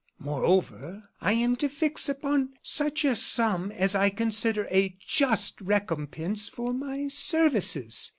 Moreover, I am to fix upon such a sum as I consider a just recompense for my services.